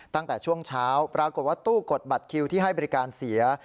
ตั้งแต่ช่วงเช้าปรากฏว่าตู้กดบัตรคิวที่ให้บริการเสีย